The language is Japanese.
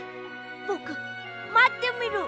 ぼくまってみる。